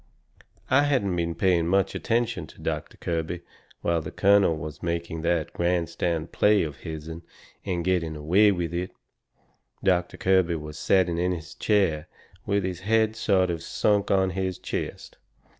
I hadn't been paying much attention to Doctor Kirby while the colonel was making that grandstand play of his'n, and getting away with it. Doctor Kirby was setting in his chair with his head sort of sunk on his chest.